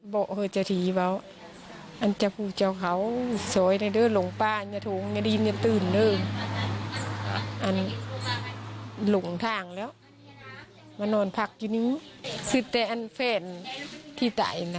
บอกว่าจะทีบ้างอันจะพูดเจ้าเขาสวยในเดือนหลงป้าอย่าถูกอย่าดีไม่ตื่นเลยอันหลงทางแล้วมานอนพักอยู่นิ้วสิทธิ์แต่อันเฟรนที่ตายนะ